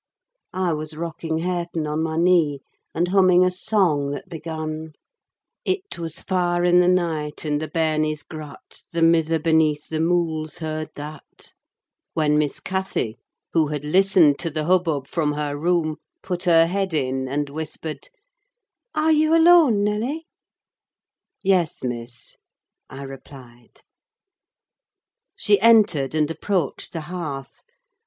I was rocking Hareton on my knee, and humming a song that began,— It was far in the night, and the bairnies grat, The mither beneath the mools heard that, when Miss Cathy, who had listened to the hubbub from her room, put her head in, and whispered,—"Are you alone, Nelly?" "Yes, Miss," I replied. She entered and approached the hearth.